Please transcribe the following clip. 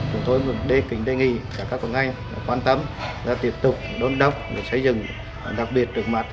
chúng tôi đề kính đề nghị các cộng ngành quan tâm và tiếp tục đôn đốc để xây dựng đặc biệt được mặt là